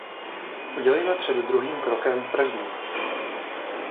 Udělejme před druhým krokem první.